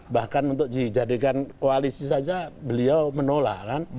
bahkan untuk dijadikan koalisi saja beliau menolak kan